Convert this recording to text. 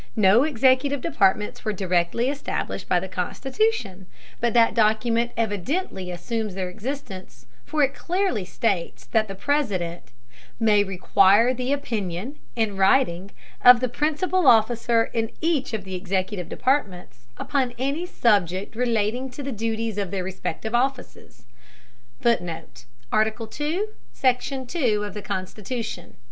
No executive departments were directly established by the Constitution, but that document evidently assumes their existence, for it clearly states that the President "may require the opinion, in writing, of the principal officer in each of the executive departments, upon any subject relating to the duties of their respective offices." [Footnote: Article II, Section II, of the Constitution.